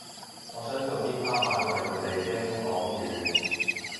我想做天花板為佢哋遮風擋雨